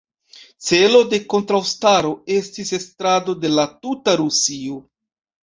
Celo de kontraŭstaro estis estrado de la tuta Rusio.